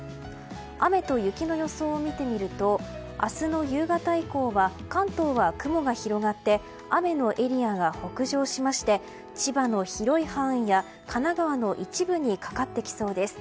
雨と雪の予想を見てみると明日の夕方以降は関東は雲が広がって雨のエリアが北上しまして千葉の広い範囲や神奈川の一部にかかってきそうです。